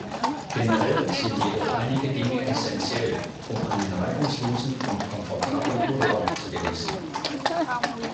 Generell sind jedoch einige Dinge essentiell, um einen reibungslosen und komfortablen Urlaub zu genießen.